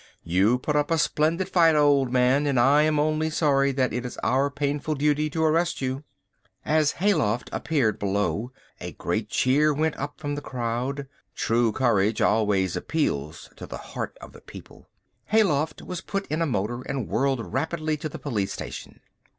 You put up a splendid fight, old man, and I am only sorry that it is our painful duty to arrest you." As Hayloft appeared below a great cheer went up from the crowd. True courage always appeals to the heart of the people. Hayloft was put in a motor and whirled rapidly to the police station.